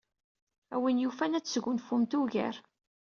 A win yufan ad tesgunfumt ugar.